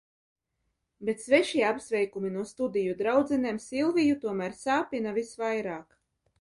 Bet svešie apsveikumi no studiju draudzenēm Silviju tomēr sāpina visvairāk.